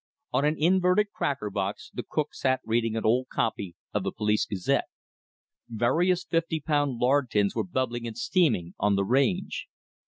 On an inverted cracker box the cook sat reading an old copy of the Police Gazette. Various fifty pound lard tins were bubbling and steaming on the range.